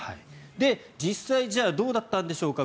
実際、どうだったんでしょうか。